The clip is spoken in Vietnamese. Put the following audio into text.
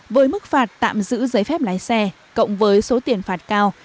với mức phạt tạm giữ giấy phép lái xe cộng với số tiền phạt cao